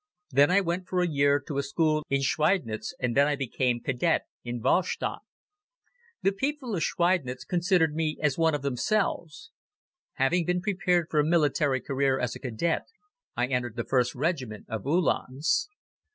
Then I went for a year to school in Schweidnitz and then I became Cadet in Wahlstatt. The people of Schweidnitz considered me as one of themselves. Having been prepared for a military career as a Cadet, I entered the 1st Regiment of Uhlans.